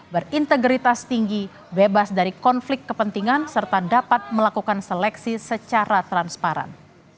berintegritas tinggi bebas dari konflik kepentingan serta dapat melakukan seleksi secara transparan